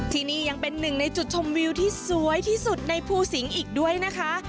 ที่นี่ยังเป็นหนึ่งในจุดชมวิวที่สวยที่สุดในภูสิงศ์อีกด้วยนะคะ